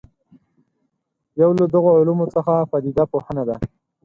یو له دغو علومو څخه پدیده پوهنه ده.